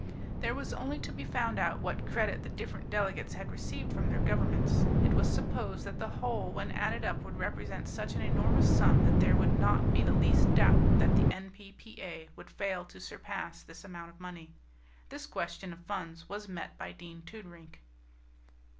There was only to be found out what credit the different delegates had received from their governments. It was supposed that the whole when added up would represent such an enormous sum that there would not be the least doubt that the A.P.P.A. [N.P.P.A.] would fail to surpass this amount of money. This question of funds was met by Dean Toodrink.